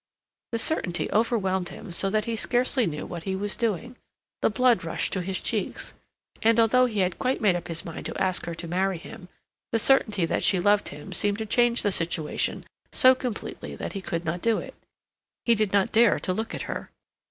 The certainty overwhelmed him so that he scarcely knew what he was doing; the blood rushed to his cheeks, and although he had quite made up his mind to ask her to marry him, the certainty that she loved him seemed to change the situation so completely that he could not do it. He did not dare to look at her.